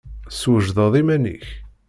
Teswejdeḍ iman-ik?